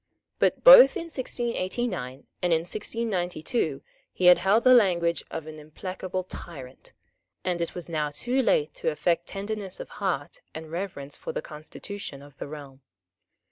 But both in 1689 and in 1692 he had held the language of an implacable tyrant; and it was now too late to affect tenderness of heart and reverence for the constitution of the realm.